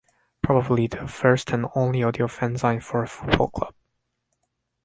Probably the first and only audio fanzine for a football club.